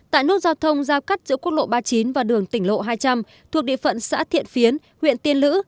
tại nút giao thông giao cắt giữa quốc lộ ba mươi chín và đường tỉnh lộ hai trăm linh thuộc địa phận xã thiện phiến huyện tiên lữ